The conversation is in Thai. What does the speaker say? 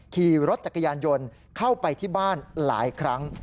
ขี่รถจักรยานยนต์เข้าไปที่บ้านหลายครั้ง